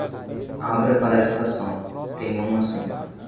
Abra para a estação, tenha um assento